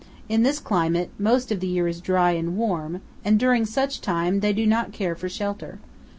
In this climate, most of the year is dry and warm, and during such time they do not care for shelter.